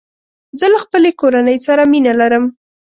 زه له خپلې کورني سره مینه لرم.